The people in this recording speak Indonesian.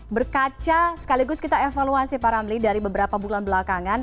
berkaca sekaligus kita evaluasi pak ramli dari beberapa bulan belakangan